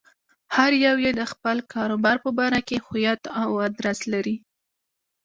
هر يو يې د خپل کاروبار په باره کې هويت او ادرس لري.